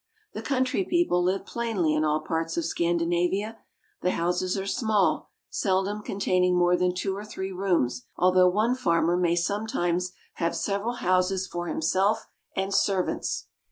The country people live plainly in all parts of Scandi navia. The houses are small, seldom containing more than two or three rooms, although one farmer may some times have several houses for himself and servants.